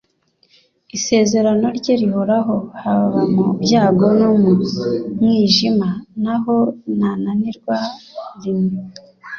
Isezerano rye rihoraho, Haba mu byago no mu mwijima, Naho nananirwa rnu